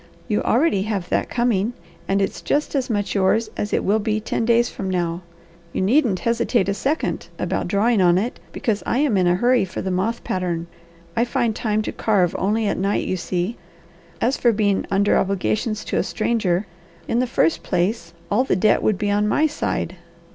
You already have that coming, and it's just as much yours as it will be ten days from now. You needn't hesitate a second about drawing on it, because I am in a hurry for the moth pattern. I find time to carve only at night, you see. As for being under obligations to a stranger, in the first place all the debt would be on my side.